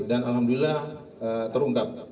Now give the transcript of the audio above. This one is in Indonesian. dan alhamdulillah terungkap